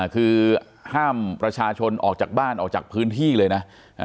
คือห้ามประชาชนออกจากบ้านออกจากพื้นที่เลยนะ